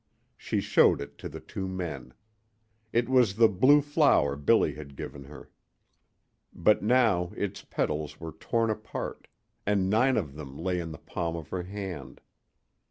She showed it to the two men. It was the blue flower Billy had given her. But now its petals were torn apart, and nine of them lay in the palm of her hand.